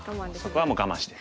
そこはもう我慢して。